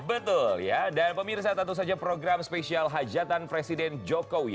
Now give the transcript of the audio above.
betul ya dan pemirsa tentu saja program spesial hajatan presiden jokowi